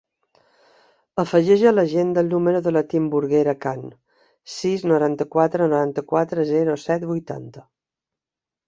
Afegeix a l'agenda el número de la Timburguera Khan: sis, noranta-quatre, noranta-quatre, zero, set, vuitanta.